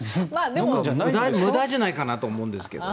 だいぶ無駄じゃないかと思うんですけどね。